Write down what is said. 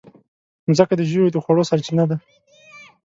مځکه د ژويو د خوړو سرچینه ده.